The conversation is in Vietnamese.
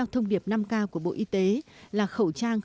nâng cao của bộ y tế là khẩu trang